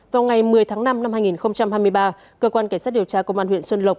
vào ngày một mươi tháng năm năm hai nghìn hai mươi ba cơ quan cảnh sát điều tra công an huyện xuân lộc